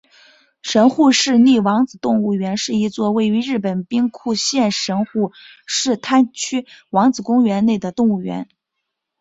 神户市立王子动物园是一座位于日本兵库县神户市滩区王子公园内的动物园。